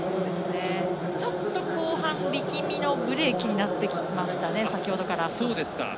ちょっと後半力みのブレーキになってきましたかね、先ほどから。